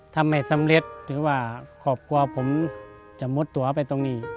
ถ้าไม่สำเร็จถือว่าครอบครัวผมจะมุดตัวไปตรงนี้